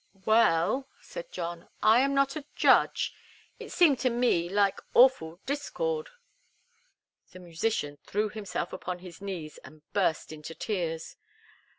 "Well," said John, "I'm not a judge. It seemed to me like awful discord." The musician threw himself upon his knees and burst into tears.